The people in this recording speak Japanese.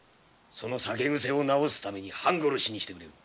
その酒癖を直すために半殺しにしてくれる。